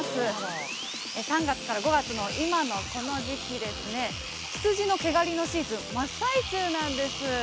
３月から５月の今のこの時期羊の毛刈りのシーズン真っ最中なんです。